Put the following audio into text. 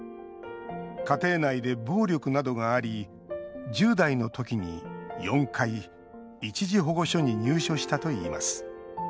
家庭内で暴力などがあり１０代の時に４回一時保護所に入所したといいます。